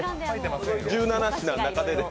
１７品の中で。